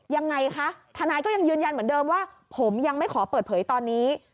ยังไงคะทนายก็ยังยืนยันเหมือนเดิมว่าผมยังไม่ขอเปิดเผยตอนนี้